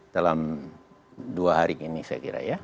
dalam dua hari ini saya kira ya